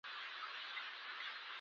افغان ویاړ ادبي